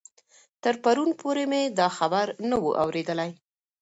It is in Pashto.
تر پرون پورې مې دا خبر نه و اورېدلی.